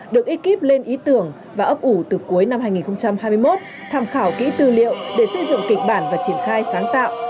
được ekip lên ý tưởng và ấp ủ từ cuối năm hai nghìn hai mươi một tham khảo kỹ tư liệu để xây dựng kịch bản và triển khai sáng tạo